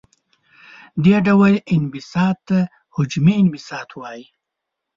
دې ډول انبساط ته حجمي انبساط وايي.